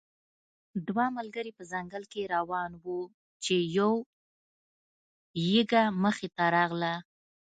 دوه ملګري په ځنګل کې روان وو چې یو یږه مخې ته راغله.